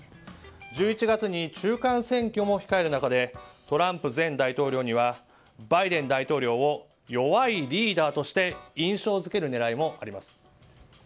１１月に中間選挙も控える中でトランプ前大統領にはバイデン大統領を弱いリーダーとして印象付ける狙いもあります。